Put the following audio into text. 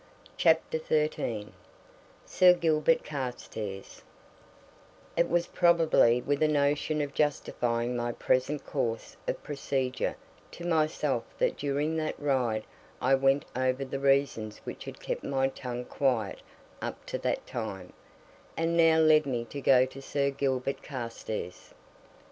CHAPTER XIII SIR GILBERT CARSTAIRS It was probably with a notion of justifying my present course of procedure to myself that during that ride I went over the reasons which had kept my tongue quiet up to that time, and now led me to go to Sir Gilbert Carstairs.